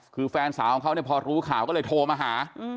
คือแฟนสาวของเขาเนี่ยพอรู้ข่าวก็เลยโทรมาหา